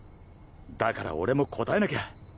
だから俺も応えなきゃ。